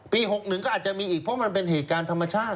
๖๑ก็อาจจะมีอีกเพราะมันเป็นเหตุการณ์ธรรมชาติ